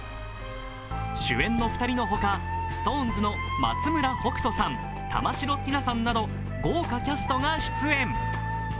主演の２人の他、ＳｉｘＴＯＮＥＳの松村北斗さん、玉城ティナさんなど豪華キャストが出演。